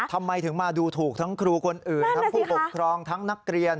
ทำไมถึงมาดูถูกทั้งครูคนอื่นทั้งผู้ปกครองทั้งนักเรียน